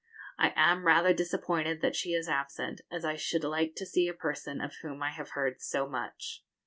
I am rather disappointed that she is absent, as I should like to see a person of whom I have heard so much.